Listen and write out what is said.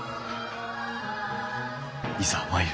いざ参る。